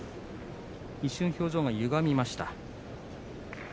一瞬、表情がゆがみました。